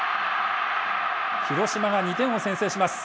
広島が２点を先制します。